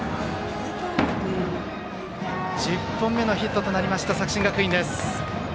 １０本目のヒットとなった作新学院。